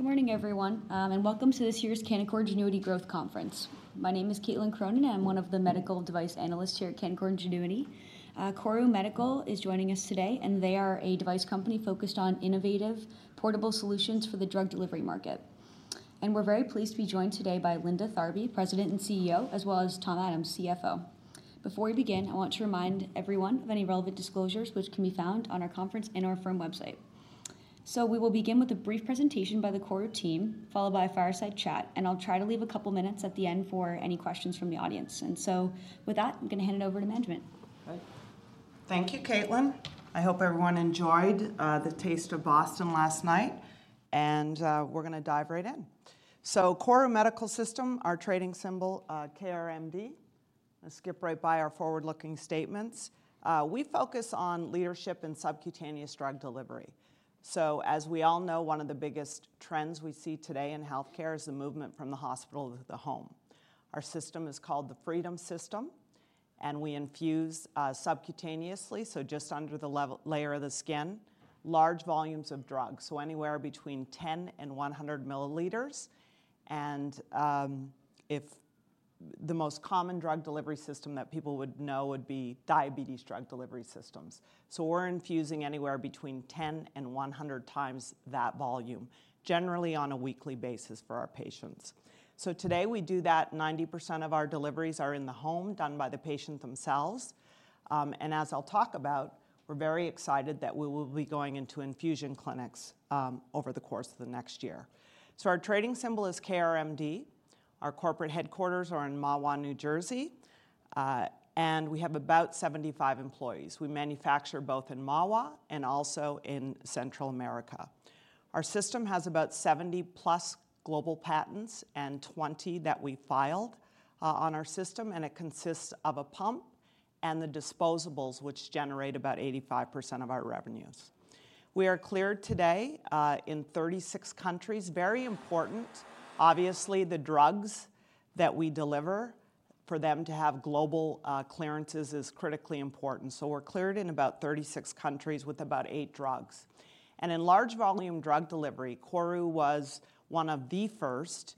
Good morning, everyone, and welcome to this year's Canaccord Genuity Growth Conference. My name is Caitlin Cronin, and I'm one of the medical device analysts here at Canaccord Genuity. KORU Medical Systems is joining us today, and they are a device company focused on innovative, portable solutions for the drug delivery market. We're very pleased to be joined today by Linda Tharby, President and CEO, as well as Thomas Adams, CFO. Before we begin, I want to remind everyone of any relevant disclosures which can be found on our conference and our firm website. We will begin with a brief presentation by the KORU team, followed by a fireside chat, and I'll try to leave a couple of minutes at the end for any questions from the audience. With that, I'm gonna hand it over to management. Thank you, Caitlin. I hope everyone enjoyed the taste of Boston last night, and we're gonna dive right in. So KORU Medical Systems, our trading symbol, KRMD. Let's skip right by our forward-looking statements. We focus on leadership and subcutaneous drug delivery. So as we all know, one of the biggest trends we see today in healthcare is the movement from the hospital to the home. Our system is called the Freedom System, and we infuse subcutaneously, so just under the layer of the skin, large volumes of drugs, so anywhere between 10 and 100 milliliters. The most common drug delivery system that people would know would be diabetes drug delivery systems. So we're infusing anywhere between 10 and 100 times that volume, generally on a weekly basis for our patients. Today, we do that, 90% of our deliveries are in the home, done by the patient themselves. As I'll talk about, we're very excited that we will be going into infusion clinics, over the course of the next year. Our trading symbol is KRMD. Our corporate headquarters are in Mahwah, New Jersey, and we have about 75 employees. We manufacture both in Mahwah and also in Central America. Our system has about 70+ global patents and 20 that we filed, on our system, and it consists of a pump and the disposables, which generate about 85% of our revenues. We are cleared today, in 36 countries. Very important. Obviously, the drugs that we deliver, for them to have global, clearances is critically important. We're cleared in about 36 countries with about 8 drugs. In large volume drug delivery, KORU was one of the first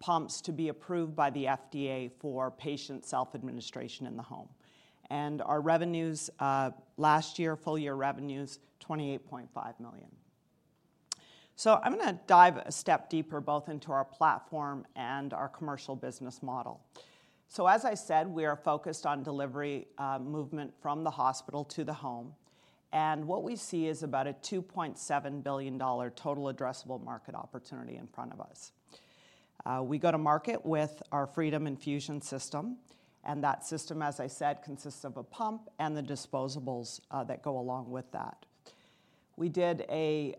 pumps to be approved by the FDA for patient self-administration in the home. Our revenues last year, full year revenues, $28.5 million. So I'm gonna dive a step deeper, both into our platform and our commercial business model. As I said, we are focused on delivery, movement from the hospital to the home, and what we see is about a $2.7 billion total addressable market opportunity in front of us. We go to market with our Freedom Infusion System, and that system, as I said, consists of a pump and the disposables that go along with that. We did a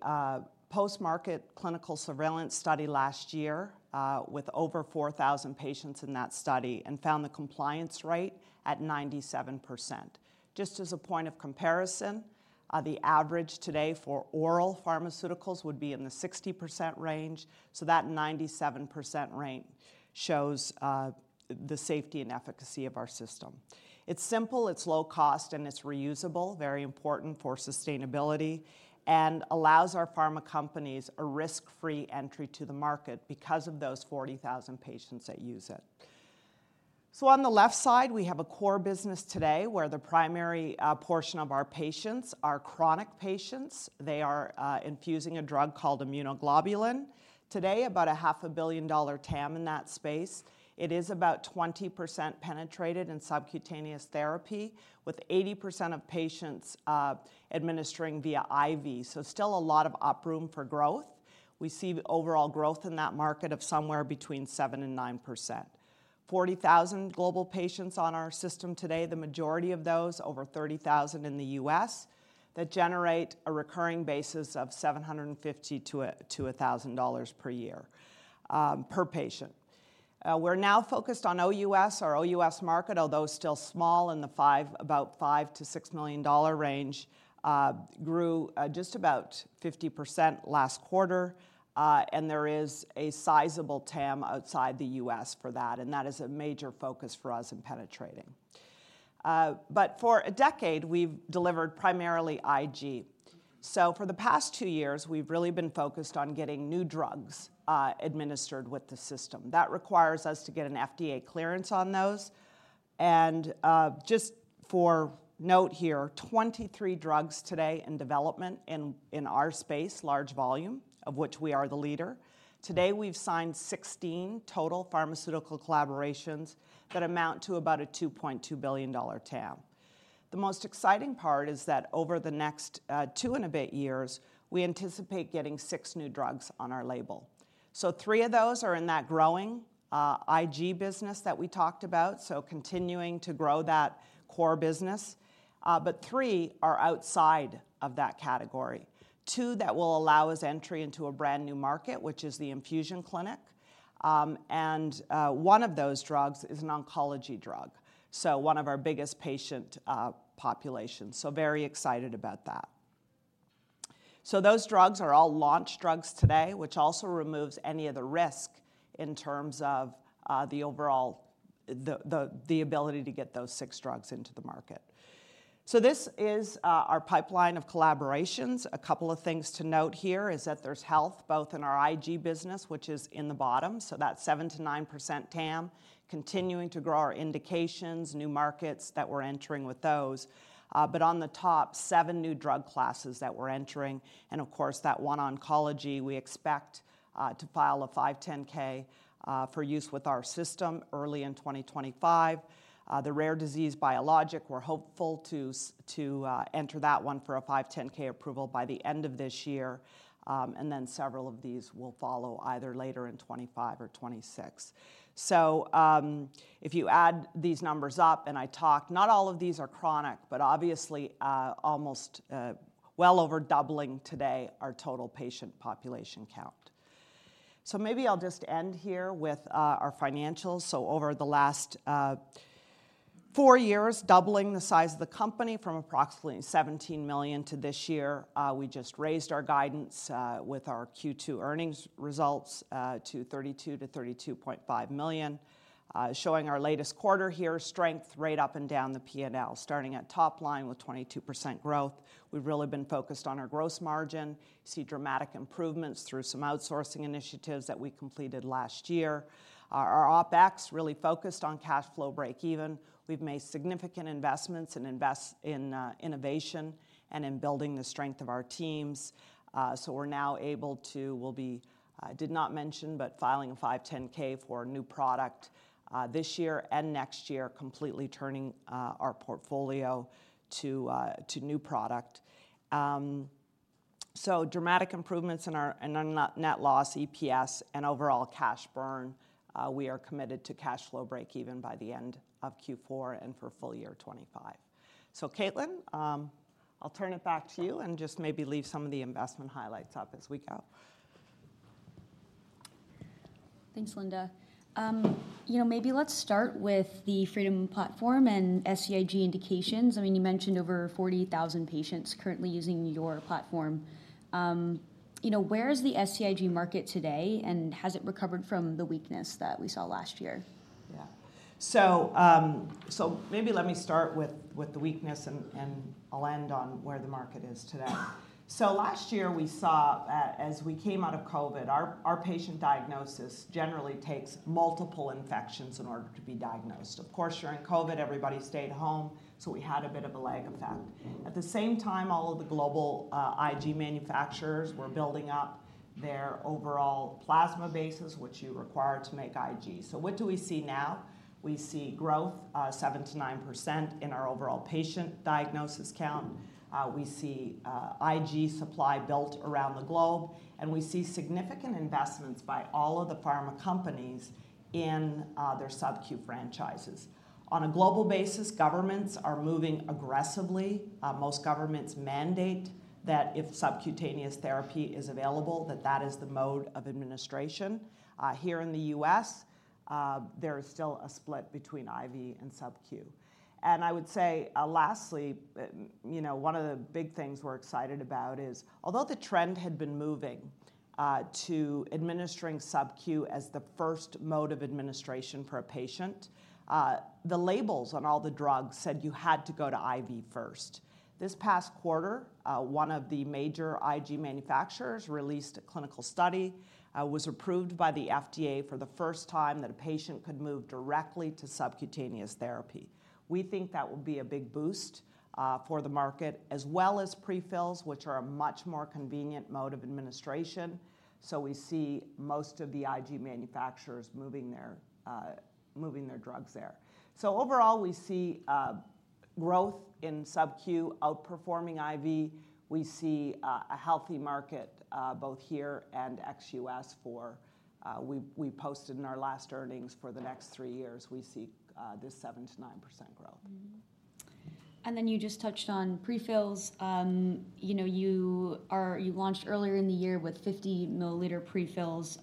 post-market clinical surveillance study last year with over 4,000 patients in that study and found the compliance rate at 97%. Just as a point of comparison, the average today for oral pharmaceuticals would be in the 60% range, so that 97% range shows the safety and efficacy of our system. It's simple, it's low cost, and it's reusable, very important for sustainability, and allows our pharma companies a risk-free entry to the market because of those 40,000 patients that use it. So on the left side, we have a core business today where the primary portion of our patients are chronic patients. They are infusing a drug called immunoglobulin. Today, about $500 million TAM in that space. It is about 20% penetrated in subcutaneous therapy, with 80% of patients administering via IV. So still a lot of room for upside growth. We see the overall growth in that market of somewhere between 7%-9%. 40,000 global patients on our system today, the majority of those, over 30,000 in the U.S., that generate a recurring basis of $750-$1,000 per year, per patient. We're now focused on OUS. Our OUS market, although still small, in the $5-$6 million range, grew just about 50% last quarter, and there is a sizable TAM outside the U.S. for that, and that is a major focus for us in penetrating. But for a decade, we've delivered primarily IG. So for the past 2 years, we've really been focused on getting new drugs administered with the system. That requires us to get an FDA clearance on those. And, just for note here, 23 drugs today in development in our space, large volume, of which we are the leader. Today, we've signed 16 total pharmaceutical collaborations that amount to about a $2.2 billion TAM. The most exciting part is that over the next two and a bit years, we anticipate getting six new drugs on our label. So three of those are in that growing IG business that we talked about, so continuing to grow that core business, but three are outside of that category. Two that will allow us entry into a brand-new market, which is the infusion clinic, and one of those drugs is an oncology drug, so one of our biggest patient populations. So very excited about that. So those drugs are all launched drugs today, which also removes any of the risk in terms of the overall ability to get those six drugs into the market. So this is our pipeline of collaborations. A couple of things to note here is that there's growth both in our IG business, which is in the bottom, so that 7%-9% TAM, continuing to grow our indications, new markets that we're entering with those. But on the top, seven new drug classes that we're entering, and of course, that one oncology we expect to file a 510(k) for use with our system early in 2025. The rare disease biologic, we're hopeful to enter that one for a 510(k) approval by the end of this year, and then several of these will follow either later in 2025 or 2026. If you add these numbers up, and I talked, not all of these are chronic, but obviously, almost well over doubling today our total patient population count. Maybe I'll just end here with our financials. Over the last four years, doubling the size of the company from approximately $17 million to this year, we just raised our guidance with our Q2 earnings results to $32-$32.5 million. Showing our latest quarter here, strength right up and down the P&L, starting at top line with 22% growth. We've really been focused on our gross margin. See dramatic improvements through some outsourcing initiatives that we completed last year. Our OpEx really focused on cash flow breakeven. We've made significant investments in in innovation and in building the strength of our teams. So we're now able to. We'll be, I did not mention, but filing a 510(k) for a new product this year and next year, completely turning our portfolio to new product. So dramatic improvements in our net loss, EPS, and overall cash burn. We are committed to cash flow breakeven by the end of Q4 and for full year 2025. So, Caitlin, I'll turn it back to you and just maybe leave some of the investment highlights up as we go. Thanks, Linda. You know, maybe let's start with the Freedom platform and SCIG indications. I mean, you mentioned over 40,000 patients currently using your platform. You know, where is the SCIG market today, and has it recovered from the weakness that we saw last year? Yeah. So maybe let me start with the weakness, and I'll end on where the market is today. So last year, we saw as we came out of COVID, our patient diagnosis generally takes multiple infections in order to be diagnosed. Of course, during COVID, everybody stayed home, so we had a bit of a lag effect. At the same time, all of the global IG manufacturers were building up their overall plasma bases, which you require to make IG. So what do we see now? We see growth 7%-9% in our overall patient diagnosis count. We see IG supply built around the globe, and we see significant investments by all of the pharma companies in their subQ franchises. On a global basis, governments are moving aggressively. Most governments mandate that if subcutaneous therapy is available, that that is the mode of administration. Here in the U.S., there is still a split between IV and subQ. And I would say, lastly, you know, one of the big things we're excited about is, although the trend had been moving, to administering subQ as the first mode of administration for a patient, the labels on all the drugs said you had to go to IV first. This past quarter, one of the major IG manufacturers released a clinical study, was approved by the FDA for the first time, that a patient could move directly to subcutaneous therapy. We think that will be a big boost, for the market, as well as pre-fills, which are a much more convenient mode of administration. So we see most of the IG manufacturers moving their drugs there. So overall, we see growth in subQ outperforming IV. We see a healthy market both here and ex-US for... We posted in our last earnings for the next 3 years, we see this 7%-9% growth. Mm-hmm. And then you just touched on pre-fills. You know, you launched earlier in the year with 50-milliliter pre-fills,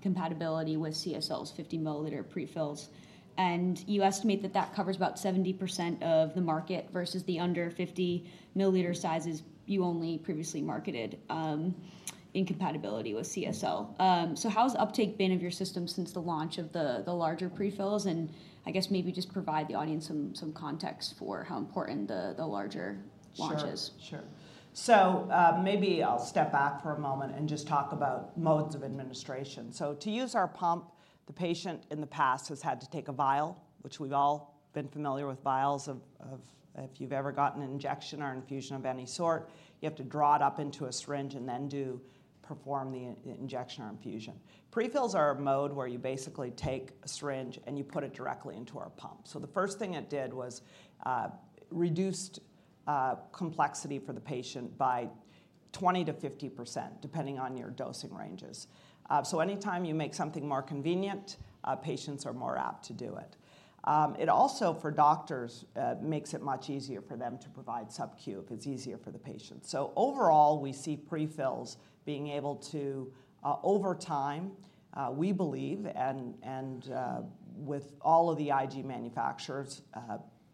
compatibility with CSL's 50-milliliter pre-fills, and you estimate that that covers about 70% of the market versus the under 50-milliliter sizes you only previously marketed, in compatibility with CSL. So how's uptake been of your system since the launch of the larger pre-fills? And I guess maybe just provide the audience some context for how important the larger launch is. Sure, sure. So, maybe I'll step back for a moment and just talk about modes of administration. So to use our pump, the patient in the past has had to take a vial, which we've all been familiar with vials of if you've ever gotten an injection or infusion of any sort, you have to draw it up into a syringe and then perform the injection or infusion. Pre-fills are a mode where you basically take a syringe, and you put it directly into our pump. So the first thing it did was reduced complexity for the patient by 20%-50%, depending on your dosing ranges. So anytime you make something more convenient, patients are more apt to do it. It also, for doctors, makes it much easier for them to provide subQ if it's easier for the patient. So overall, we see pre-fills being able to, over time, we believe, and, with all of the IG manufacturers,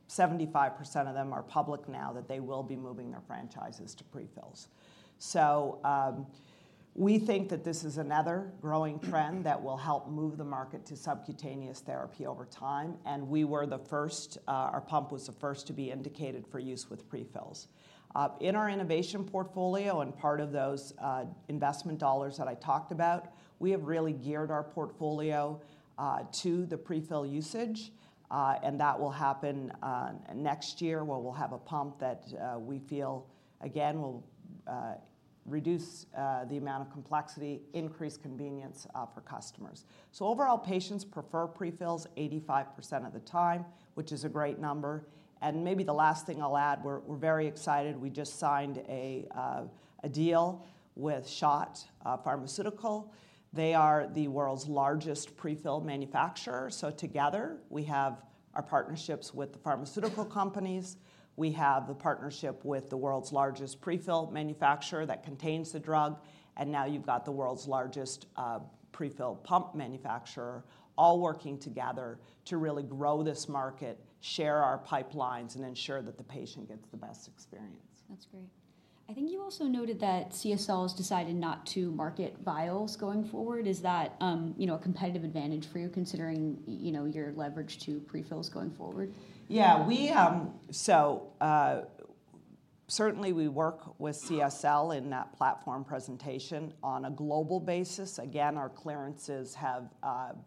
75% of them are public now, that they will be moving their franchises to pre-fills. So, we think that this is another growing trend that will help move the market to subcutaneous therapy over time, and we were the first, our pump was the first to be indicated for use with pre-fills. In our innovation portfolio and part of those, investment dollars that I talked about, we have really geared our portfolio, to the pre-fill usage, and that will happen, next year, where we'll have a pump that, we feel again will. reduce the amount of complexity, increase convenience for customers. So overall, patients prefer pre-fills 85% of the time, which is a great number, and maybe the last thing I'll add, we're very excited. We just signed a deal with SCHOTT Pharma. They are the world's largest pre-filled manufacturer. So together, we have our partnerships with the pharmaceutical companies, we have the partnership with the world's largest pre-filled manufacturer that contains the drug, and now you've got the world's largest pre-filled pump manufacturer all working together to really grow this market, share our pipelines, and ensure that the patient gets the best experience. That's great. I think you also noted that CSL has decided not to market vials going forward. Is that, you know, a competitive advantage for you, considering, you know, your leverage to pre-fills going forward? Yeah, we... So, certainly, we work with CSL in that platform presentation on a global basis. Again, our clearances have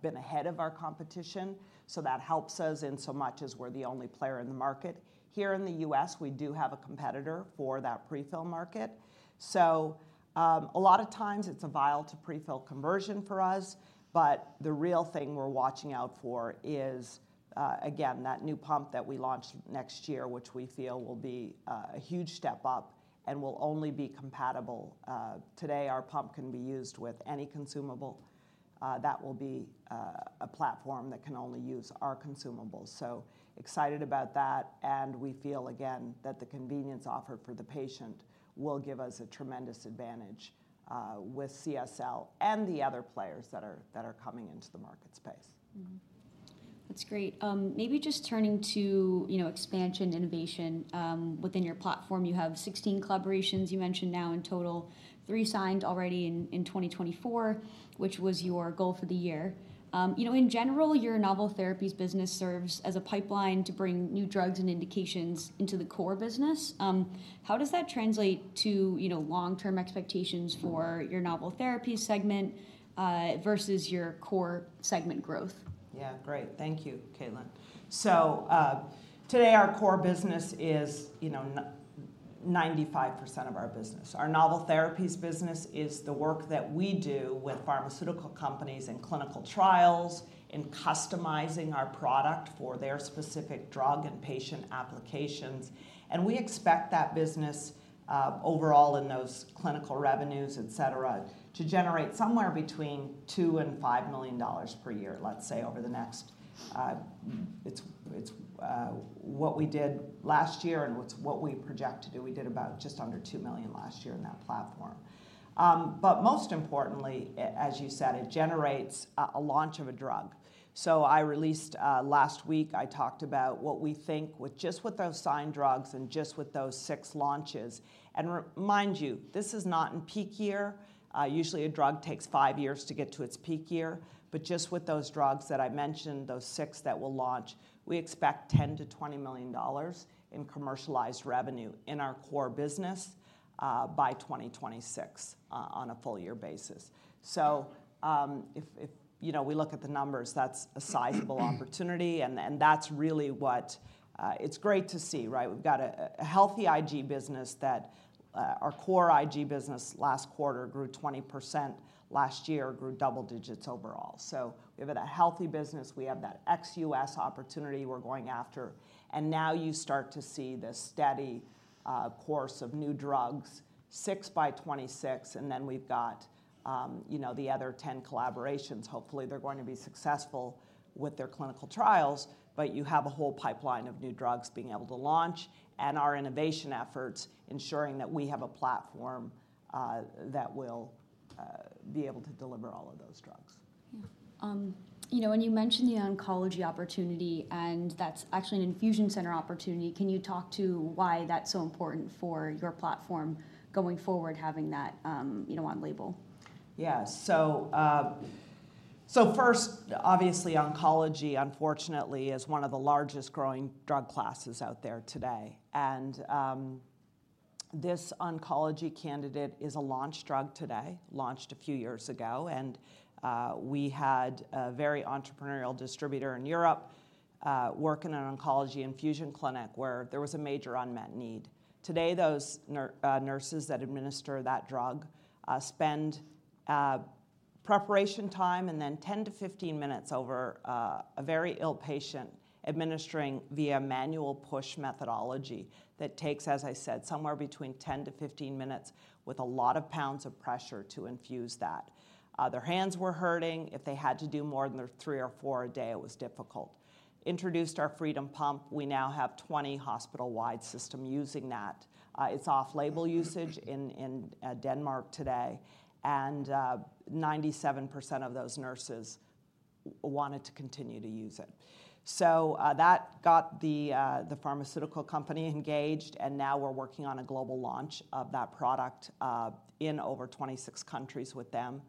been ahead of our competition, so that helps us in so much as we're the only player in the market. Here in the US, we do have a competitor for that pre-fill market. So, a lot of times it's a vial to pre-fill conversion for us, but the real thing we're watching out for is, again, that new pump that we launch next year, which we feel will be a huge step up and will only be compatible. Today, our pump can be used with any consumable. That will be a platform that can only use our consumables. So excited about that, and we feel, again, that the convenience offered for the patient will give us a tremendous advantage, with CSL and the other players that are coming into the market space. Mm-hmm. That's great. Maybe just turning to, you know, expansion, innovation. Within your platform, you have 16 collaborations, you mentioned now in total, three signed already in, in 2024, which was your goal for the year. You know, in general, your novel therapies business serves as a pipeline to bring new drugs and indications into the core business. How does that translate to, you know, long-term expectations for your novel therapy segment, versus your core segment growth? Yeah, great. Thank you, Caitlin. So, today, our core business is, you know, 95% of our business. Our novel therapies business is the work that we do with pharmaceutical companies in clinical trials, in customizing our product for their specific drug and patient applications, and we expect that business, overall in those clinical revenues, et cetera, to generate somewhere between $2 million and $5 million per year, let's say, over the next... It's what we did last year and what we project to do. We did about just under $2 million last year in that platform. But most importantly, as you said, it generates a launch of a drug. So I released last week, I talked about what we think with just with those signed drugs and just with those six launches. Remind you, this is not in peak year. Usually, a drug takes five years to get to its peak year, but just with those drugs that I mentioned, those six that will launch, we expect $10-$20 million in commercialized revenue in our core business, by 2026, on a full year basis. If, you know, we look at the numbers, that's a sizable opportunity, and that's really what... It's great to see, right? We've got a healthy IG business that our core IG business last quarter grew 20%, last year grew double digits overall. So we have a healthy business. We have that ex-US opportunity we're going after, and now you start to see the steady course of new drugs, 6 by 2026, and then we've got, you know, the other 10 collaborations. Hopefully, they're going to be successful with their clinical trials, but you have a whole pipeline of new drugs being able to launch and our innovation efforts, ensuring that we have a platform that will be able to deliver all of those drugs. Yeah. You know, when you mentioned the oncology opportunity, and that's actually an infusion center opportunity, can you talk to why that's so important for your platform going forward, having that, you know, on label? Yeah. So, first, obviously, oncology, unfortunately, is one of the largest growing drug classes out there today, and, this oncology candidate is a launch drug today, launched a few years ago, and, we had a very entrepreneurial distributor in Europe, working in an oncology infusion clinic where there was a major unmet need. Today, those nurses that administer that drug spend preparation time and then 10-15 minutes over a very ill patient, administering via manual push methodology. That takes, as I said, somewhere between 10-15 minutes with a lot of pounds of pressure to infuse that. Their hands were hurting. If they had to do more than their 3 or 4 a day, it was difficult. Introduced our Freedom Pump. We now have 20 hospital-wide system using that. It's off-label usage in Denmark today, and 97% of those nurses wanted to continue to use it. So, that got the pharmaceutical company engaged, and now we're working on a global launch of that product in over 26 countries with them.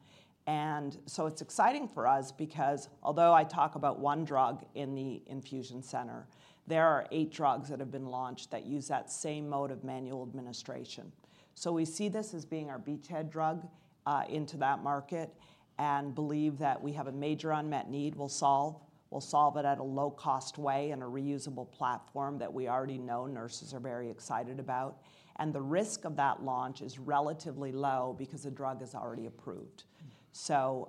And so it's exciting for us because although I talk about one drug in the infusion center, there are eight drugs that have been launched that use that same mode of manual administration. So we see this as being our beachhead drug into that market and believe that we have a major unmet need we'll solve. We'll solve it at a low-cost way in a reusable platform that we already know nurses are very excited about, and the risk of that launch is relatively low because the drug is already approved. So,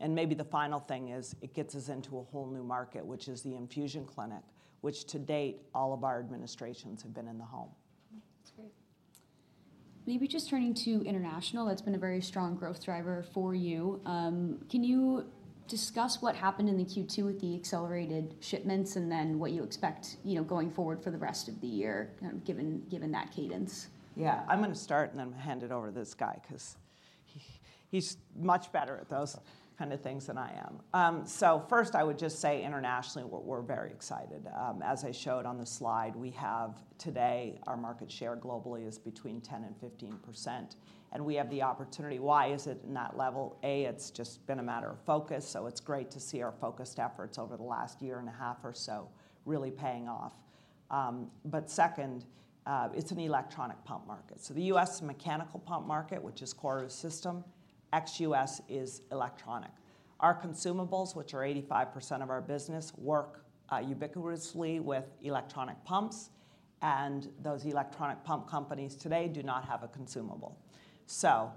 and maybe the final thing is, it gets us into a whole new market, which is the infusion clinic, which to date, all of our administrations have been in the home. Mm-hmm. That's great. Maybe just turning to international, that's been a very strong growth driver for you. Can you discuss what happened in the Q2 with the accelerated shipments, and then what you expect, you know, going forward for the rest of the year, kind of given, given that cadence? Yeah. I'm gonna start and then hand it over to this guy 'cause he, he's much better at those kind of things than I am. So first, I would just say internationally, we're, we're very excited. As I showed on the slide, we have, today, our market share globally is between 10% and 15%, and we have the opportunity. Why is it in that level? A, it's just been a matter of focus, so it's great to see our focused efforts over the last year and a half or so really paying off. But second, it's an electronic pump market. So the U.S. mechanical pump market, which is KORU's system, ex-U.S., is electronic. Our consumables, which are 85% of our business, work ubiquitously with electronic pumps, and those electronic pump companies today do not have a consumable. So,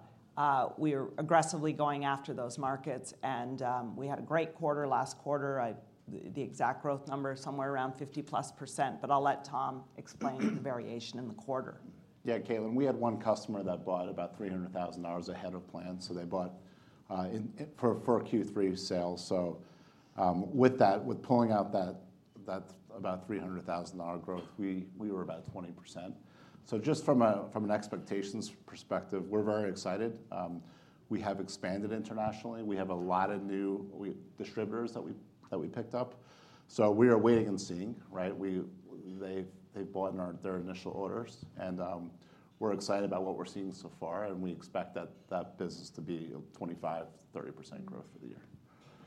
we are aggressively going after those markets, and we had a great quarter. Last quarter, the exact growth number is somewhere around 50+%, but I'll let Thomas explain the variation in the quarter. Yeah, Caitlin, we had one customer that bought about $300,000 ahead of plan, so they bought in for Q3 sales. So, with that, with pulling out that about $300,000 growth, we were about 20%. So just from an expectations perspective, we're very excited. We have expanded internationally. We have a lot of new distributors that we picked up. So we are waiting and seeing, right? They've bought their initial orders, and we're excited about what we're seeing so far, and we expect that business to be 25%-30% growth for the year.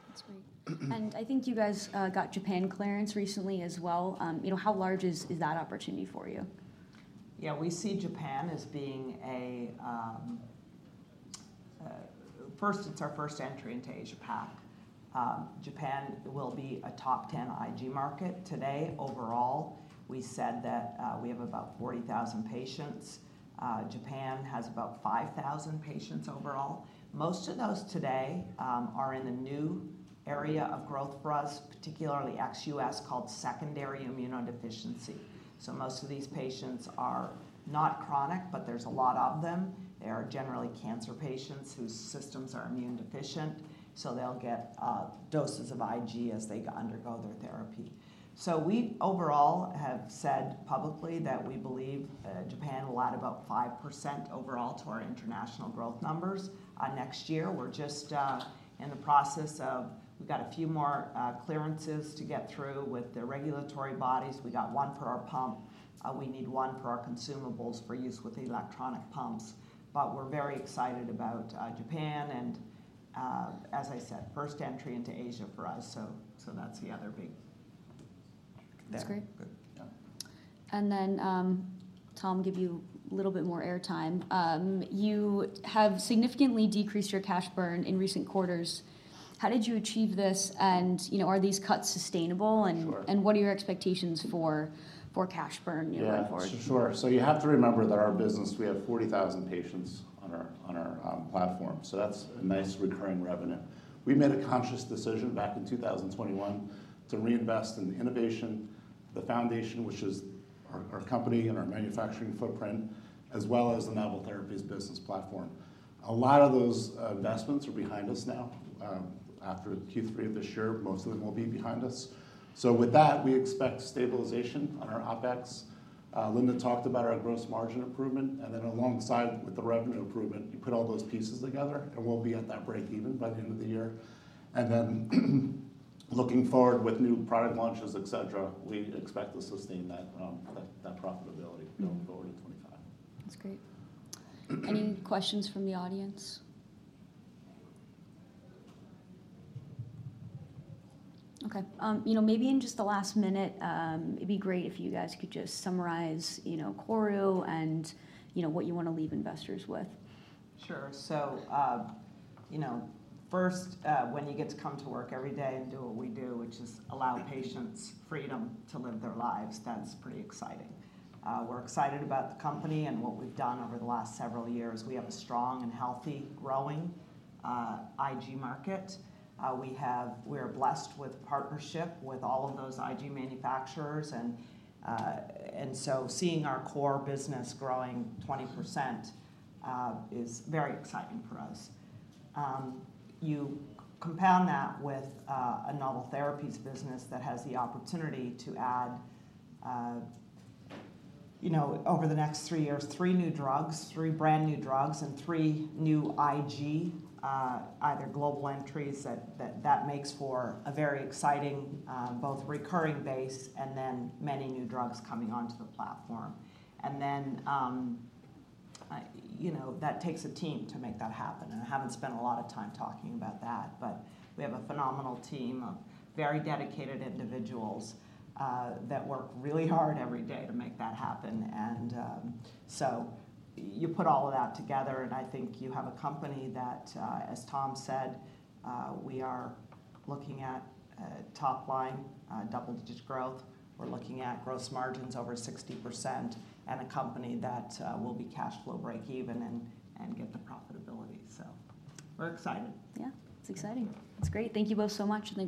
That's great. And I think you guys got Japan clearance recently as well. You know, how large is that opportunity for you? Yeah, we see Japan as being. First, it's our first entry into Asia-Pac. Japan will be a top 10 IG market. Today, overall, we said that we have about 40,000 patients. Japan has about 5,000 patients overall. Most of those today are in the new area of growth for us, particularly ex-US, called secondary immunodeficiency. So most of these patients are not chronic, but there's a lot of them. They are generally cancer patients whose systems are immune deficient, so they'll get doses of IG as they go undergo their therapy. So we overall have said publicly that we believe Japan will add about 5% overall to our international growth numbers next year. We're just in the process of... We've got a few more clearances to get through with the regulatory bodies. We got one for our pump. We need one for our consumables for use with the electronic pumps, but we're very excited about Japan and, as I said, first entry into Asia for us, so that's the other big thing. That's great. Good. Yeah. And then, Thomas, give you a little bit more airtime. You have significantly decreased your cash burn in recent quarters. How did you achieve this, and, you know, are these cuts sustainable, and- Sure. And what are your expectations for cash burn, you know, going forward? Yeah, sure. So you have to remember that our business, we have 40,000 patients on our platform, so that's a nice recurring revenue. We made a conscious decision back in 2021 to reinvest in the innovation, the foundation, which is our company and our manufacturing footprint, as well as the novel therapies business platform. A lot of those investments are behind us now. After Q3 of this year, most of them will be behind us. So with that, we expect stabilization on our OpEx. Linda talked about our gross margin improvement, and then alongside with the revenue improvement, you put all those pieces together, and we'll be at that breakeven by the end of the year. Then, looking forward with new product launches, et cetera, we expect to sustain that profitability going forward in 2025. That's great. Any questions from the audience? Okay, you know, maybe in just the last minute, it'd be great if you guys could just summarize, you know, KORU and, you know, what you want to leave investors with. Sure. So, you know, first, when you get to come to work every day and do what we do, which is allow patients freedom to live their lives, that's pretty exciting. We're excited about the company and what we've done over the last several years. We have a strong and healthy, growing IG market. We are blessed with partnership with all of those IG manufacturers, and so seeing our core business growing 20%, is very exciting for us. You compound that with a novel therapies business that has the opportunity to add, you know, over the next 3 years, 3 new drugs, 3 brand-new drugs and 3 new IG either global entries, that makes for a very exciting both recurring base and then many new drugs coming onto the platform. And then, you know, that takes a team to make that happen, and I haven't spent a lot of time talking about that. But we have a phenomenal team of very dedicated individuals that work really hard every day to make that happen, and so you put all of that together, and I think you have a company that, as Thomas said, we are looking at top line double-digit growth. We're looking at gross margins over 60% and a company that will be cash flow breakeven and get to profitability. So we're excited. Yeah, it's exciting. It's great. Thank you both so much, and thank you-